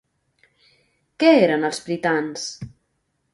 Què eren els pritans?